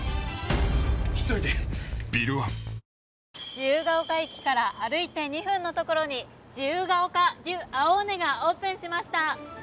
自由が丘駅から歩いて２分のところに、自由が丘デュアオーネがオープンしました。